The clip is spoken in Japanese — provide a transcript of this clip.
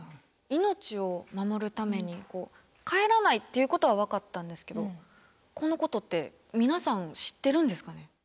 命を守るために帰らないっていうことは分かったんですけどこのことって皆さん知ってるんですかね？